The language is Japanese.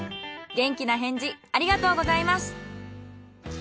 元気な返事ありがとうございます。